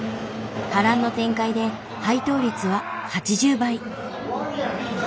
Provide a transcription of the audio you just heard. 波乱の展開で配当率は８０倍。